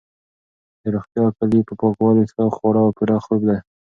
د روغتیا کلي په پاکوالي، ښه خواړه او پوره خوب کې ده.